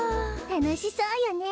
たのしそうよね